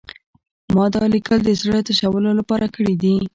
ما دا لیکل د زړه تشولو لپاره کړي دي